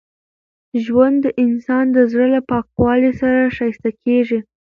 ژوند د انسان د زړه له پاکوالي سره ښایسته کېږي.